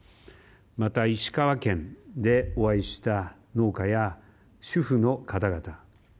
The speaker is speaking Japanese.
また、石川県でお会いした農家や主婦の方々。